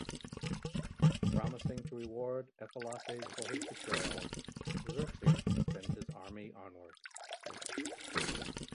Promising to reward Ephialtes for his betrayal, Xerxes sends his army onward.